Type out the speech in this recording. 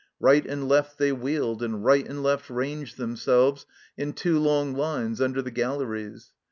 Right and left they wheeled, and right and left ranged them selves in two long lines under the galleries.